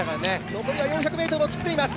残りは４００ｍを切っています。